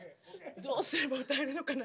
どうすれば歌えるのかな。